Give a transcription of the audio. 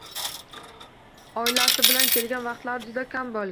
Oilasi bilan kelgan vaqtlari juda kam bo‘lgan